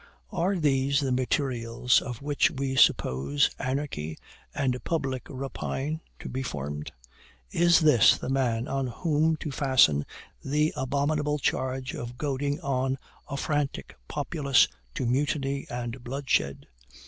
Are these the materials of which we suppose anarchy and public rapine to be formed? Is this the man on whom to fasten the abominable charge of goading on a frantic populace to mutiny and bloodshed?